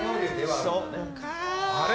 あれ？